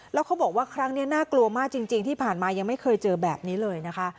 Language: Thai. แล้วเขาบอกว่าครั้งนี้น่ากลัวมากจริงที่ผ่านมายังไม่เคยเจอแบบนี้เลยนะคะ